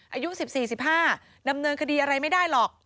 อายุ๑๔๑๕ดำเนินคดีอะไรไม่ได้หรอก